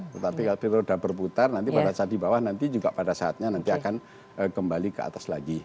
tetapi kalau periode berputar nanti pada saat di bawah nanti juga pada saatnya nanti akan kembali ke atas lagi